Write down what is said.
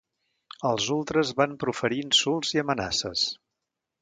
Els ultres van proferir insults i amenaces.